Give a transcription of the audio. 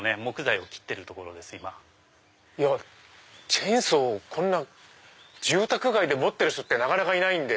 チェーンソーこんな住宅街で持ってる人ってなかなかいないんで。